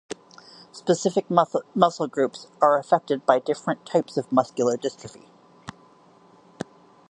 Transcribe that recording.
Specific muscle groups are affected by different types of muscular dystrophy.